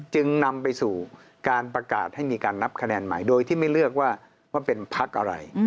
จึงนำไปสู่การประกาศให้มีการนับคะแนนใหม่โดยที่ไม่เลือกว่าเป็นพักอะไร